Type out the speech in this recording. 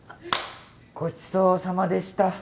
ごちそうさまでした。